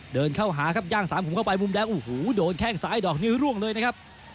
เดินเข้าหาครับย่างสามขุมเข้าไปมุมแดงโอ้โหโดนแข้งซ้ายดอกนี้ร่วงเลยนะครับ